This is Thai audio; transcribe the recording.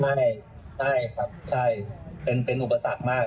ไม่ได้ใช่ครับใช่เป็นอุปสรรคมาก